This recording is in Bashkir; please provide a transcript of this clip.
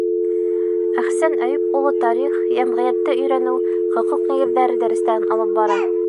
Әҡсән Әйүп улы тарих, йәмғиәтте өйрәнеү, хоҡуҡ нигеҙҙәре дәрестәрен алып бара.